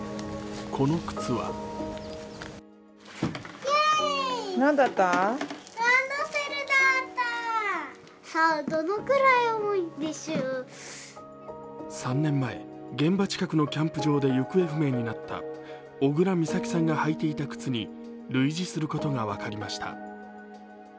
この靴は３年前、現場近くのキャンプ場で行方不明になった小倉美咲さんが履いていた靴に類似することが分かりました。